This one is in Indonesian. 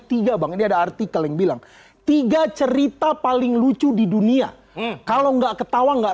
tiga bang ini ada artikel yang bilang tiga cerita paling lucu di dunia kalau enggak ketawa nggak